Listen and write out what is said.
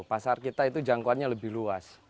pasar kita itu jangkauannya lebih luas